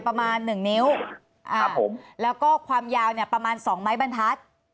ประมาณหนึ่งนิ้วครับผมแล้วก็ความยาวเนี่ยประมาณสองไม้บรรทัศน์